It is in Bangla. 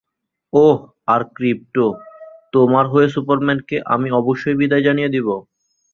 ওহ, আর ক্রিপ্টো, তোমার হয়ে সুপারম্যানকে আমি অবশ্যই বিদায় জানিয়ে দিবো।